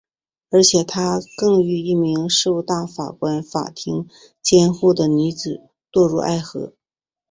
而且他更与一名受大法官法庭监护的女子堕入爱河。